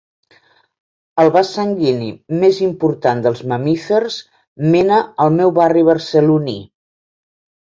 El vas sanguini més important dels mamífers mena al meu barri barceloní.